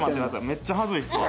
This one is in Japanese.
めっちゃはずいっすわ。